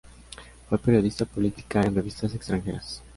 Fue periodista política en revistas extranjeras.